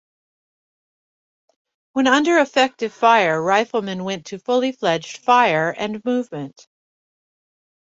When under effective fire, riflemen went to fully fledged "fire and movement".